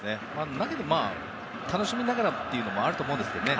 だけど、楽しみながらというのもあると思うんですよね。